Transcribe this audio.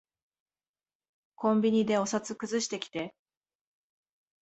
コンビニでお札くずしてきて。